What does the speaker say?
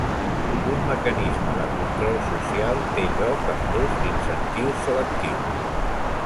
Un mecanisme de control social té lloc amb l'ús d'incentius selectius.